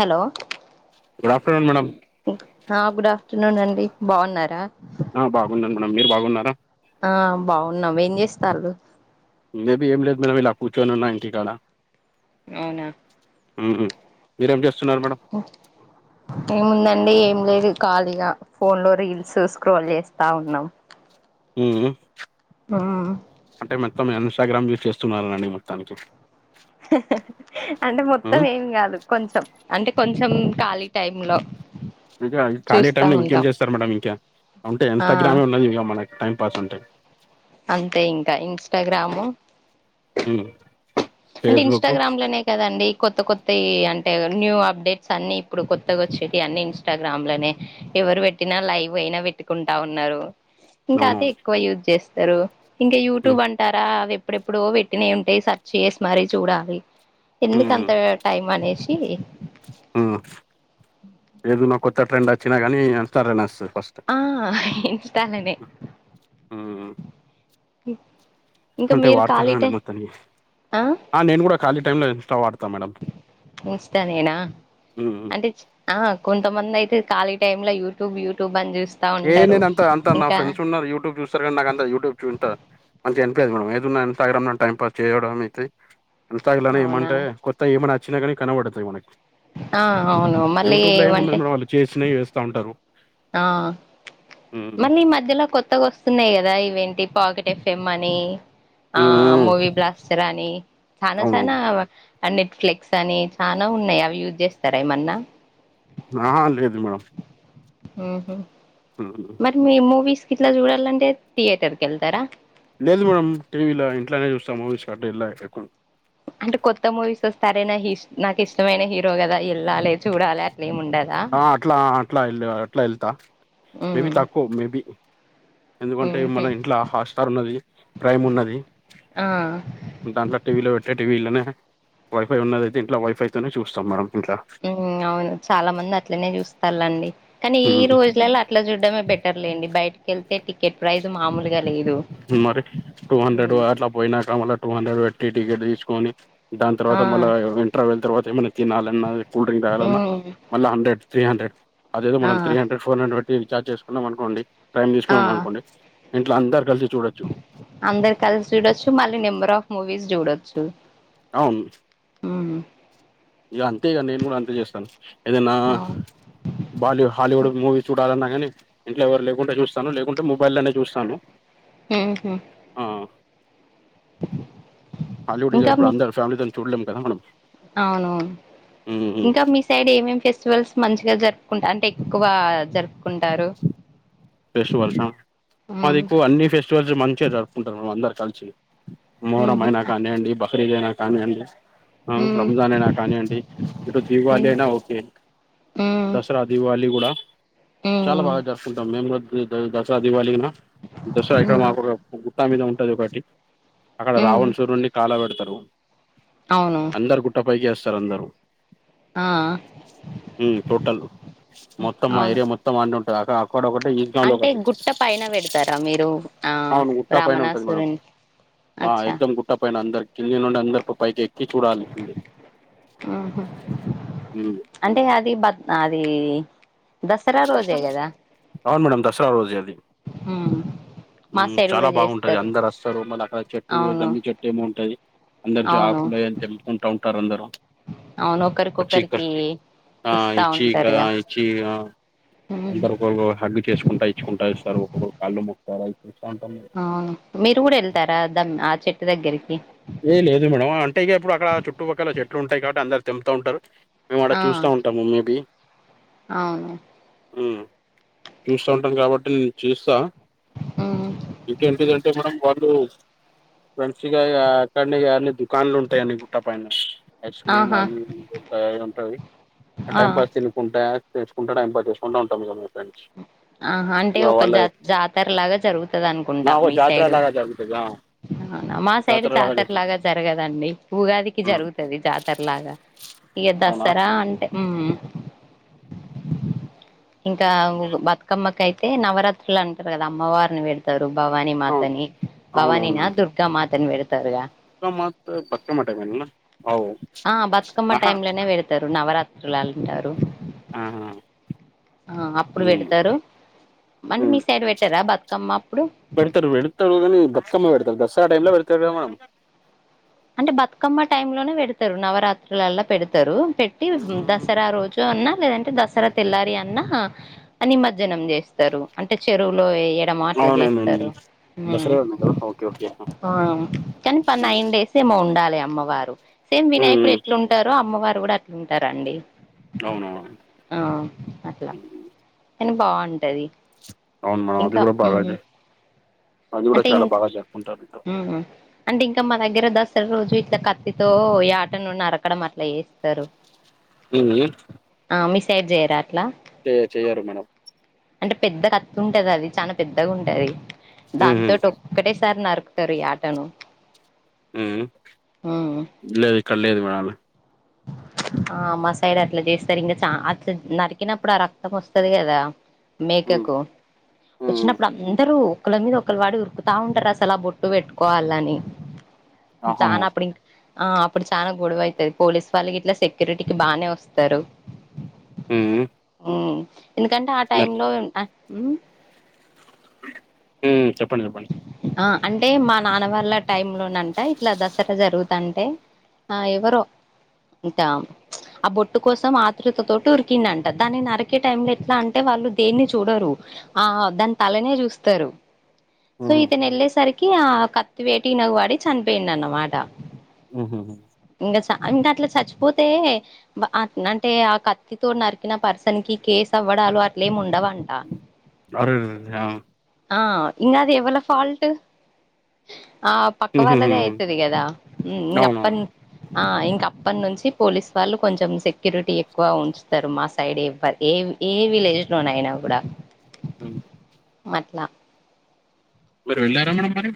Hello good afternoon madam ఆ good afternoon అండి బాగున్నారా ఆ బాగున్నాం మేడం మీరు బాగున్నారా ఆ బాగున్నాం ఏం చేస్తాళ్ళు మేబీ ఏం లేదు మేడం ఇలా కూర్చుని ఉన్న ఇంటికాడ అవునా ఉమ్మ్ మీరేం చేస్తున్నారు మేడం ఓ ఏముందండి ఏం లేదు ఖాళీగా ఫోన్‌లో రీల్స్ స్క్రోల్ చేస్తా ఉన్నాం ఉమ్మ్మ్ ఉమ్మ్ అంటే మొత్తం ఇంస్టాగ్రామ్ యూస్ చేస్తున్నారనండి మొత్తానికి అంటే మొత్తం మ్మ్. ఏం కాదు కొంచెం అంటే కొంచెం ఖాళీ టైమ్‌లో ఇంకా ఖాళీ టైంలో ఇంకేం చేస్తారు మేడం ఇంకా అంటే ఆ ఇస్టాగ్రామే ఉన్నది ఇంగ మనకి టైం పాస్ అంటే అంతే ఇంకా ఇన్స్టాగ్రాము ఉమ్మ్ అంటే ఇన్స్టాగ్రామ్లనే కదండి కొత్త కొత్తయి అంటే న్యూ అప్డేట్స్ అన్ని ఇప్పుడు కొత్తగా వచ్చేటియి అన్ని ఇన్స్టాగ్రామ్‌లోనే ఎవరు పెట్టినా లైవ్ అయినా పెట్టుకుంటా ఉన్నారు ఇంకా అవును అదే ఎక్కువ యూజ్ చేస్తారు ఇంకా మ్మ్. యూట్యూబ్ అంటారా అదే ప్పుడెప్పుడో పెట్టినాయి ఉంటాయి సర్చ్ చేసి మరీ చూడాలి ఎందుకు మ్మ్. అంతా టైం అనేసి ఉమ్మ్ ఏదనా కొత్త ట్రెండ్ అచ్చినా కానీ ఇన్స్టాలోనే వస్తాది ఫస్ట్ ఆ ఇన్స్టాలోనే ఇంకా అంటే మీరు ఖాళీ వాడతానండి టై మొత్తానికి ఆ ఆ నేను కూడా ఖాళీ టైంలో ఇన్స్టా వాడతా మేడం ఇన్స్టానేనా మ్మ్. అంటే ఆ కొంతమంది అయితే ఖాళీ టైమ్‌లో యూట్యూబ్ యూట్యూబ్ అని చూ ఏ నేను అంత అంతా నా ఫ్రెండ్స్ ఉన్నారు యూట్యూబ్ చూ స్తారు కానీ నాకంత యూట్యూబ్ చూ అంతా మంచిగా అనిపియ్యదు మేడం ఏదున్న ఇన్స్టాగ్రామ్‌లో టైం పాస్ చేయడం అయితే ఇన్స్టాగ్లోనే అవునా ఏమంటే కొత్తయి ఏమనా వచ్చినా కానీ కనబడతాయి మనకి ఆ అవును మళ్ళీ ఏమంటే చేసినయి చేస్తా ఉంటారు ఆ మ్మ్. మళ్ళీ ఈ మధ్యలో కొత్తగా వ స్తున్నాయి కదా ఇవేంటి పాకెట్ ఎఫ్ఎం అని ఆ మ్మ్. మూవీ బ్లాస్టర్ అని చానా అవునవును చానా అవ ఆ నెట్ఫ్ల్‌‌క్స్ అని చానా ఉన్నాయి అవి యూజ్ చేస్తారా ఏమన్నా ఆహా లేదు మేడం మ్మ్ఉమ్మ్ ఉహు మరి మీ మూవీస్ గిట్ల చూడాలంటే థియేటర్కి వెళ్తారా. లేదు మేడమ్ టీవీలో ఇంట్లోనే చూస్తాం మూవీస్ కట్ట ఇల్లా ఎక్కు అంటే కొత్త మూవీస్ వస్తారే నా నాకు ఇష్టమైన హీరో కదా వెళ్ళాలి చూడాలి అట్లే ఏం ఉండ ఆ అట్లా అట్లా వె అట్లా వెళ్తా ఉ మేబి తక్కువ మేబి. ఎందుకంటే ఉహు మన ఇంట్ల హాట్స్టార్ ఉన్నది ప్రైమ్ ఉన్నది. ఆ దాంట్లో టీవీలో పెట్టే టీవీలోనే వైఫై ఉన్నదియితే ఇంట్లో వైఫైతోనే చూస్తాం మడం ఇంట్ల ఉ అవును చాలా మంది అట్లనే చూస్తాలండి కానీ ఈ ఉమ్, రోజులలో. అట్లా చూడ్డమే బెటర్ లేండి బయటకి వెళ్తే టికెట్ ప్రైజు మామూలుగా లేదు. మరి టూ హండ్రెడ్ హ్మ్ అట్లా పోయినాక మళ్ళ టూ హండ్రెడ్ పెట్టి టికెట్ తీసుకొని. దాని ఆ తర్వాత మల్ల ఇంటర్వవెల్ తర్వాత ఏమనా తినలన్నా కూల్ డ్రింక్ తాగాలన్న. హ్మ్ మళ్ళ హ్రెడ్ త్రీ హండ్రెడ్ అదో ఏదో ఆ మనం త్రీ హండ్రెడ్ పోనులో రీఛార్జ్ చేసుకున్నాం అనుకోండి. టైమ్ ఆ తీసుకున్నాం అనుకోండి ఇంట్లో అందరు కలిసి చూడొచ్చు. అందరు కలిసి చూడొచ్చు మళ్ళీ నెంబర్ ఆఫ్ మూవీస్ చూడొచ్చు. అవును మ్మ్ ఇగ అంతే ఇగ నేను కూడా అంతే చేస్తాను ఏదన్న. అవును బాలీ హాలీవుడ్ మూవీస్ చూడాలన్నా కానీ. ఇంట్లో ఎవరు లేకుంటే చూస్తాను లేకుంటే మొబైల్ లోనే చూస్తాను. ఉహు. ఉ హాలీవుడ్ ఇ ఇంకా ఇప్పుడు మీ అందర్ ఫ్యామిలీతోని చూడలేం కద మనం. అవునవును ఇంకా మీ. సైడ్ ఏమేం ఫెస్టివల్స్ మంచిగా జరుపుకుంట అంటే ఎక్కువ జరుపుకుంటారు. సువాల్స మాది హ్మ్ ఎక్కువ అన్ని ఫెస్టివల్స్ మంచిగా జరుపుకుంటారు మ అందరు కలిసి. హ్మ్ మొహరమ హు అయినా కానీయండి బకిరీదైనా కానీయండి. హ్మ్ రంజాన్ అయినా కానీయండి ఇటు దీవాళి హ్మ్ అయినా ఓకే. హ్మ్ దసరా దీవళి కూడా చాలా హ్మ్ బాగా జరుసుకుంటాం మేము కూడ దసరా దివాళి నా దసరా ఇక్కడ హ్మ్ మాకు ఒక గుట్టా మీద ఉంటది ఒకటి అక్కడ హ్మ్ రావణ్ సూరున్నీ కాలాబెడతారు అవును అందరు గుట్టపైకి వేస్తారు అందరు. ఆ ఉ టోటల్ మొత్తం మా అవును ఏరియా మొత్ త్తం అన్ని ఉంటాయి అకడ అక్కడ ఒకటి లో అంటే ఒకటి గుట్ట పైన పెడతారా మీరు ఆ అవును గుట్ట పైన ఉంటది మేడం రామణాసురుని. ఆ అచ్చా ఎక్దమ్ గుట్ట పైన అందరు కింది నుండి అందరు పైకి ఎక్. ఆహ అంటే అది బ అది దసరా ఉమ్ రోజే కదా. అవును మేడం దసరా రోజే అది. ఉ ఉ చాలా బాగుంటది అందరు అస్తారు మళ్ళీ అక్కడ చెట్టు అవును జమ్మి చెట్టు ఏమో ఉంటది. అందరు అవును జాకులై అని తెంపుకుంటా ఉంటారు అందరూ. అవును పచ్చిక ఒకరికొకరికి ఆ ఇస్తా ఈ చీక ఉంటారుగా చియ ఉమ్ అందరు ఒక హగ్గు చేసుకుంటా ఇచ్చుకుంటా ఇస్తారు ఒక్కొక్కళ్ కళ్ళు ముతారు అవి చూస్తాంటాం అవున మీరు కూడా వెళ్తారా దమ్ ఆ చెట్టు దగ్గరికి. ఏ లేదు మేడం అంటే ఇక ఇప్పుడు అక్కడ చుట్టుపక్కల చెట్లు ఉంటాయి కాబట్టి అందరు తెంపుతూ ఉంటారు మేము అడ ఆ చూస్తా ఉంటాము మేబి అవును హ్మ చుస్తా ఉంటాను కాబట్టి చూస్తా ఉ ఇంకేంటిదంటే మేడం వాళ్ళు ఫ్రెండ్స్గా ఇక్కడి అన్ని దుకాన్లు ఉంటాయి అని గుట్టా పైన ఐస్ క్రీమ్ ఆహా అవి తయారు ఉంటాయి ఆ టైం పాస్ త కుంట చుసుకుంటే టైం పాస్ చేసుకుంటా ఉంటాం మీద మీ ఫ్రెండ్స్ ఆ హ అంటే ఇక ఒక వాళ్ళ జా జాతర లాగా జరుగుతుంది అనుకుంటాం మీ సైడు ఆది కాద మా సైడ్ జాతర లాగా జరగదండి ఉగాదికి ఉమ్, జరుగుతది జాతర లాగా ఇక అవునా దసరా అంటే హ్మ్ఇంకా బ అమ్మకైతే నవరాత్రులు అంటారు కదా అమ్మవారిని పెడతారు భవానీ అవును మాతని భవానీ నా దుర్ దుర్గ మాతను పెడుతారుగా పక మత్ పక్కా మడానేనా అవు ఆ బతుకమ్మ ఆహా టైం లోనే వెడతారు నవరాత్రులు అంటారు ఆ హా అ అప్పుడు పెడతారు అంటే ఉమ్. మీ సైడ్ పెట్టారా బతుకమ్మ అప్పుడు పెడతారు కానీ బతుకమ్మ పెడతారు దసరా టైంలోలా పెళ్తా మనం అంటే బతుకమ్మ టైమ్ లోనే పెడతారు నవరాత్రులలా పెడతారు పెట్టి ఉమ్, దసరా రోజు జో అన్నా లేదంటే దసరా తెల్లారి అన్నా హ నిమర్జనం చేస్ తరు అంటే చెరువులో వేయడమా అట్లా చేస్తారు అవునవును ఉ దసరా ఉంది కదా ఓకే ఓకే ఆ కని పర్ నైన్ డేస్ సేమ ఉండాలి అమ్మవారు సేమ్ వినాయకుడు ఉమ్, ఎట్లు ఉంటారు అమ్మవారు కూడా అట్లుంటారు అండి అవును అవును ఆ అట్లా కానీ బావుంటాది అవును హ అది కూడా బాగా అది కూడా చాలా బాగా చెప్పుకుంటారు ఇతో హు అంటే ఇంకా మా దగ్గర దసరా రోజు ఇట్లా కత్తితో ఈ యటను నరకడం అట్లా చెస్ తరు ఉమ్, ఆ మీ సైడ్ చేయరా అట్లా చే చేయరు మేడం అంటే పెద్ద కత్తి ఉంటది అది చాన పెద్దగా ఉంటుది ఉమ్, ఉమ్. దాంతోటి ఒక్కటేసారి నరుకుతారు యాటను ఊ లేదు ఇక్కడ లేదు మెడం అవి ఆ మా సైడ్ అట్లా చేస్తారు ఇంకా చ అట్లా నరికినప్పుడు ఆ రక్తం వస్తుది గదా మేకకు వచ్చినప్పుడు అందరూ ఒకళ మీద వొక్కళ్ళ పడి ఉరుకుతా ఉంటారు అసలు బొట్టు పెట్టుకోవాలని ఆహా చానా ఉమ్ అప్పుడి ఆ అప్పుడు చానా గొడవ అయితది పోలీస్ వాళ్ళు ఇట్లా సెక్యూరిటీకి బానే వస్తారు ఊ ఉ ఎందుకంటే ఆ టైమ్ లో ఆన ఉ చెప్పండి చెప్పండి ఆ అంటే మా నాన్న వాళ్ళ టైమ్ లో నంటా ఇట్లా దసరా జరుగుతంటే ఆ ఎవరో ఇంటా ఆ బొట్టు కోసం ఆతృతతోటి ఊరికిండంట దాన్ని నరికే టైంలో ఎట్లా అంటే వాళ్ళు దేన్ని చూడరు ఆఆ దాని తలనే చూస్తారు సో ఇతను ఎళ్ళేసరికి ఆ కత్తి వేటు ఈయనకు పడి చనిపోయిండు అన్నమాట మ్మ్ఉహ్మ్ ఇంగ చ ఇంకా అట్లా చచ్చిపోతే అ అంటే ఆ కత్తితో నరికిన పర్సన్‌కి కేసు అవ్వడాలు అట్లేమి ఉండవంట అరెరే ఆ ఆ ఇంగా అది ఎవళ్ళ ఫాల్ట్ ఆ పక్క వాళ్ళదే అయితాది కదా ఉమ్మ్ అప్ప అవునవును ఆ ఇంకా అప్పనుంచి పోలీస్ వాళ్ళు కొంచెం సెక్యూరిటీ ఎక్కువ ఉంచుతారు మా సైడ్ ఇవ్వా ఎవ్ ఏ విలేజ్‌లో నైనా కూడా ఉమ్ అట్లా మీరు వెళ్ళారా మేడం మరి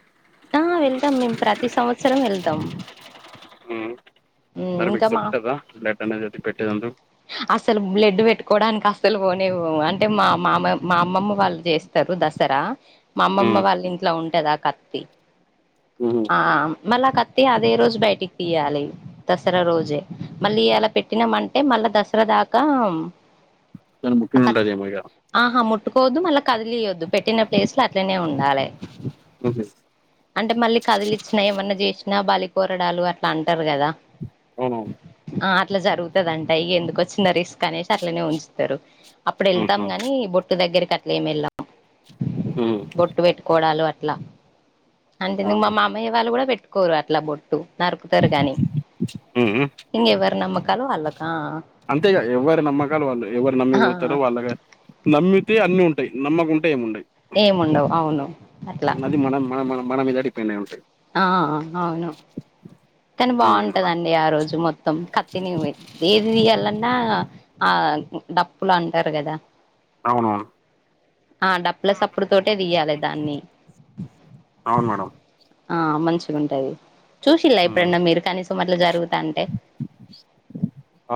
ఆ వెళ్దాం మేం ప్రతి సంవత్సరం వెళ్దాం ఉమ్మ్ మరి ఇంకా మీకు మా సేప్తారా బ్లడ్ అనేది ఎత్తిపెట్టేది అందు అసలు బ్లడ్ పెట్టుకోవడానికి అసలు పోనే పోము అంటే మా మామ మా అమ్మమ్మ వాళ్ళు చే స్తారు దసరా మా అమ్మమ్మ వాళ్ళ ఇంట్లో ఉంటాది ఆ కత్తి ఉమ్మ్ ఆ మల్ల ఆ కత్తి అదే రోజు బయటికి తీయాలి దసరా రోజే మళ్ళీ ఈయాల పెట్టినామంటే మళ్ళ దసరా దాకా దాన్ని ఆ ముట్టుడు కత్ ఉంటది ఏమో ఇగ ఆహా ముట్టుకోవద్దు మళ్ళా కదిలియోద్దు పెట్టిన ప్లేస్‌లో అట్లనే ఉండాలి అంటే మళ్ళీ కదిలిచ్చినా ఏమన్నా చేసినా బలి కోరడాలు అట్లా అంటారు కదా అవునవును ఆ అట్లా జరుగుతదంటా ఇగ ఎందుకొచ్చిన రిస్క్ అనేసి అట్లనే ఉంచుతారు అప్పుడు ఎళ్తాం కానీ బొట్టు దగ్గరికి అట్లా ఏమి ఎళ్ళ బొట్టు పెట్టుకోవడాలు అట్లా అంటే నేను మా మా మయ్య వాళ్ళు కూడా పెట్టుకోరు అట్లా బొట్టు నరుకుతారు గాని ఇంగ ఎవరి నమ్మకాలు వాళ్లకా అంతేగా ఎవరి నమ్మకాలు వాళ్లవి ఎవరు ఆ నమ్మిపోతారో వాళ్లవే నమ్మితే అన్ని ఉంటాయి నమ్మకుంటే ఏం ఉండయ్ ఏముండవు అవును అట్లా అది మనం మన మన మన మీదా డిపెండ్ అయి ఉంటయ్ ఆఆ అవును కాని బాగుంటదండి ఆరోజు మొత్తం కత్తినిమే ఏది తియాలన్నా ఆ డప్పులు అంటారు కదా అవునవును ఆ డప్పుల సప్పుడు తోటే తీయాలే దాన్ని అవును మేడం ఆ మంచిగుంటది చూసిల్లా ఎప్పుడన్నా మీరు కనీసం అట్లా జరుగుతాంటే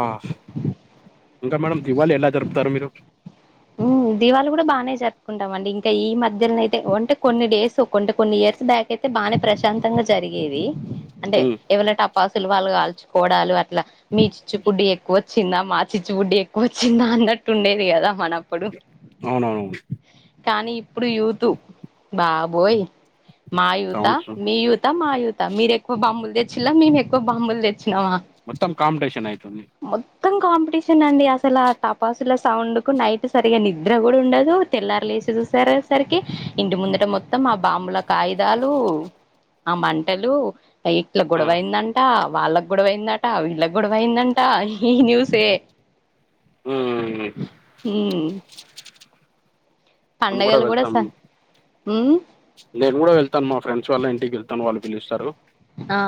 ఆ ఇంకా మేడం దీవళి ఎలా జరుపుతారు మీరు ఉమ్మ్ దీవళి కూడా బానే జరుపుకుంటాం అండి ఇంకా ఈ మధ్యాల్నే అయితే ఓంటే కొన్ని డేస్ కొంటే కొన్ని ఇయర్స్ బ్యా క్ అయితే బానే ప్రశాంతంగా జరిగేది అంటే ఉమ్, ఎవళ్ళ టపాసులు వాళ్ళు కాల్చుకోవడాలు అట్లా మీ చిచ్చు బుడ్డి ఎక్కువ వ చ్చిందా మా చిచ్చుబుడ్డి ఎక్కువ వచ్చిందా అన్నట్టు ఉండేది గదా మనం అవునవునవును కానీ ఇప్పుడు యూతు బాబోయ్ మా యూత అవును మీ యు త మా యూతా మీరు ఎక్కువ బాంబులు తెచ్చిళ్ళ మేము ఎక్కువ బాంబులు తెచ్చినామా మొత్తం కాంపిటీషన్ అయితుంది మొత్తం కాంపిటీషన్ అండి అసల టపాసుల సౌండ్ కు నై సరిగా నిద్ర కూడా ఉండదు తెల్లరి లేసి చూసర్ సరికి ఇంటి ముందుట మొత్తం ఆ బాంబుల కాయిదాలు ఆ మంటలు ఇట్ల గొడవైందంట వాళ్ళకి గొడవైందట వీళ్ళకు గొడవైందంట ఈ న్యూసే మ్ మ్ మేము పండగలు కూడా వెళ్తాం స మ్ నేను కూడా వెళ్తాను మా ఫ్రెండ్స్ వాళ్ళ ఇంటికి వెళ్తాను వాళ్ళు పిలుస్తారు ఆ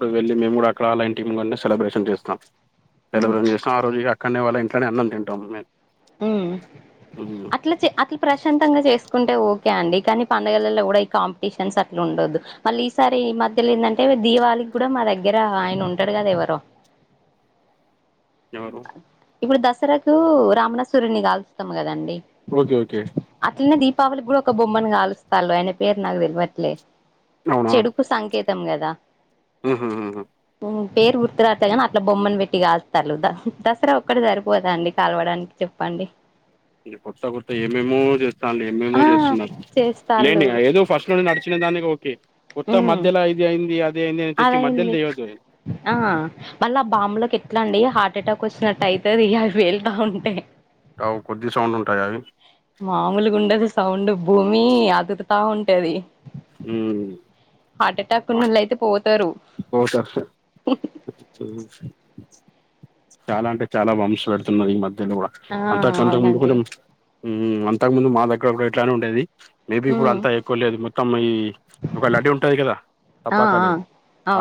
ఇ వెళ్ళ మేము కూడా అక్కడ అలాంటీమ్ సెలబ్రేషన్ చేస్తం సెల్రేషన్ చెస్ ఆ రోజుగా అక్కడనే వాళ్ళ ఇంట్లనే అన్నం తంటాము మేము మ్ ఉమ్, ఆ అట్లా చే అట్లా ప్రశాంతంగా చేసుకుంటే ఓకే అండి కానీ పండుగలళ్ళ కూడా ఈ కాంపిటీషన్స్ అట్లా ఉండదు మళ్ళీ ఈసారి ఈ మధ్యలో ఏందంటే దీవళికి కూడా మా దగ్గర ఆయన ఉంటాడు కదా ఎవరో ఎవరు ఇప్పుడు దసరాకు రామణ సురుని కాల్స్తం కదండి ఓకే ఓకే అట్లనే దీపావళి కూడా ఒక బొమ్మను కాలుస్తాళ్ళు అయన పేరు నాకు తెలువట్లే చెడు కు సంకేతం కదా మ్ హు అహ పేరు గుర్తు రావట్లే కానీ అట్లా బొమ్మను పెట్టిగలుస్తాళ్ళు దసరా ఒక్కడ సరిపోదా అండి కలువడానికి చెప్పండి కొత్త కొత్త ఏమేమో చేస్తాళ్ళు ఏమేమో ఆ చేస్తున్నారు చేస్తాళ్ళు లేని ఏదో ఫస్ కట నడిచిన దానికి ఓకే కోత్త ఉమ్ మధ్యలో ఇది అయింది అది అయింది అని తెచ్చి మధ్యల అదయింది చేయొద్దు ఆ మళ్ళ ఆ బాంబులకి ఎట్లా అండి హార్ట్ అటాక్ వచ్చినట్టు అయితది అవి పేళ్తా ఉంటే అవ్ కొద్ది సౌండ్ ఉంటా దా అవి మామూలుగుండదు సౌండ్ భూమి అదురుతా ఉంటది మ్ హార్ట్ అటాక్ ఉన్నోళ్ళు అయితే పోతారు కోత మ్ చాలా అంటే చాలా బంబ్స్ పెడుతున్నారు ఈ మధ్యల కూడా ఆ అంతా కొంత ముందు అవునండి కొంచెం మ్ అంతకు ముందు మా దగ్గర కుడా ఇట్లానే ఉండేది మేబీ ఇప్పుడు ఉమ్ అంతా ఎక్కువ లేదు మొత్తం ఈ ఒక లడ్డి ఉంటది కదా ఆ ఆ టప్పకాలయ్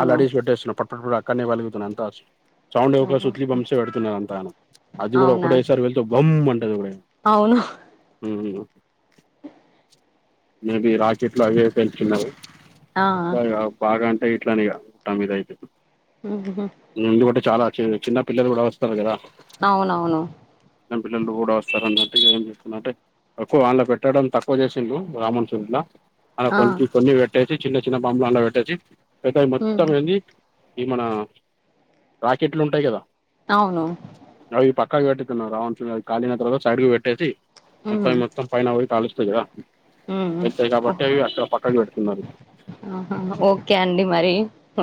ఆ డీస్ పెట్టేస్తున్నా పట్ పట్ పట అక్కన్నే పాల్గుతున్నాయి అంత అస్ సౌండ్ ఒక ఉహు, సుత్లీ బంప్సే పెడుతున్నారు అంతనగ్ అది కూడా అవునా ఒకటేసారి వెళ్తే బమ్ అంటది ఎప్ అవును మ్ మేబీ రాకెట్ లగే పెల్చుతున్నాయి ఆ సగ్ బాగా అంటే ఇట్లానే ఇగ తమ్మిదయితే మ్ హు హు మ్ ఎందుకంటే చాలా చి చిన్న పిల్లలు కూడా వస్తారు కదా అవునవును చిన్న పిల్లలు కూడా వస్తారు అన్నట్టుగా ఏం చేస్తు అంటే ఎక్కువ ఆన్ లో పెట్టడం తక్కువ చేసిళ్ళు రామన్ సూంలా అలా ఆ కొన్ని కొన్ని పెట్టేసి చిన్న చిన్న బంలల్లో పెట్టేసి లేద ఉమ్ మొత్తం అది ఈ మన రాకెట్లు ఉంటాయి కదా అవును నవ పక్కా పెట్టటివ్ రా చ కళిన త సైడ్గు పెట్టేసి ఉమ్ మత్తా మ మొత్తం పైన అవి కాలుస్తాయి కదా ఉమ్ వెళ్తాయి ఓ, కాబట్టి అవి అక్కడ పక్కకు పెడుతున్నారు ఆహా ఓకే అండి మరి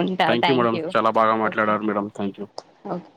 ఉంటారు థ్యాంక్ మేడం యూ చాలా బాగా ఓకే మాట్లాడారు మేడం థ్యాంక్ యూ ఓకే